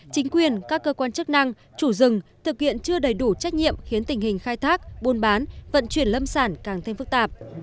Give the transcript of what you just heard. chính quyền các cơ quan chức năng chủ rừng thực hiện chưa đầy đủ trách nhiệm khiến tình hình khai thác buôn bán vận chuyển lâm sản càng thêm phức tạp